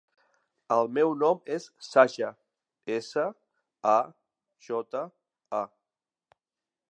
El meu nom és Saja: essa, a, jota, a.